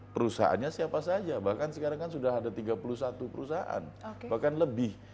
perusahaannya siapa saja bahkan sekarang kan sudah ada tiga puluh satu perusahaan bahkan lebih